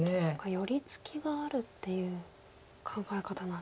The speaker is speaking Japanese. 寄り付きがあるっていう考え方なんですね。